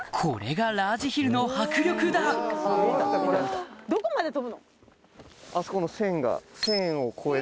これがラージヒルの迫力だあそこの線が。